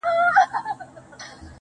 صبر د انسان ملګری دی.